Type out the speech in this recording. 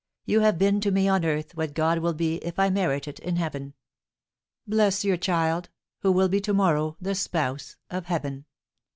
You have been to me on earth what God will be, if I merit it, in heaven. Bless your child, who will be to morrow the spouse of Heaven.